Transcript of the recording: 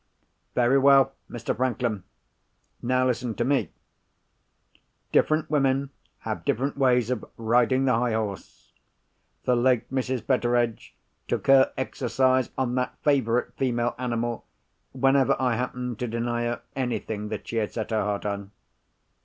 "Very well, Mr. Franklin. Now listen to me. Different women have different ways of riding the high horse. The late Mrs. Betteredge took her exercise on that favourite female animal whenever I happened to deny her anything that she had set her heart on.